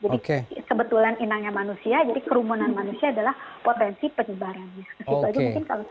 jadi kebetulan inangnya manusia jadi kerumunan manusia adalah potensi penyebarannya